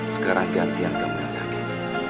sekarang gantian kamu yang sakit